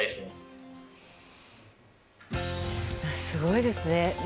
すごいですね。